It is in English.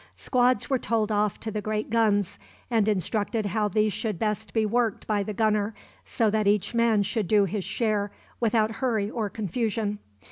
Squads were told off to the great guns, and instructed how these should best be worked by the gunner, so that each man should do his share without hurry or confusion.